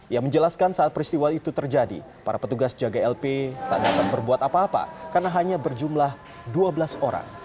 ia menjelaskan saat peristiwa itu terjadi para petugas jaga lp tak dapat berbuat apa apa karena hanya berjumlah dua belas orang